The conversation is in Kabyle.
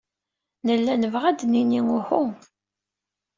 Nella nebɣa ad d-nini uhu.